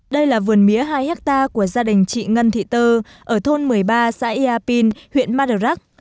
đây là vườn mía hai hectare của gia đình chị ngân thị tơ ở thôn một mươi ba xã yà pin huyện madarak